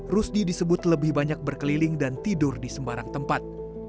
rusdi disebut lebih banyak berkeliling dan tidur di sembarang tempat